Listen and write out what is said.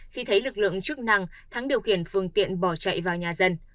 khi thấy lực lượng chức năng thắng điều khiển phương tiện bỏ chạy vào nhà dân